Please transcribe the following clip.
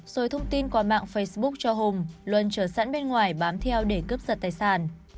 rồi thông tin qua mạng facebook cho hùng luân trở sẵn bên ngoài bám theo để cướp giật tài sản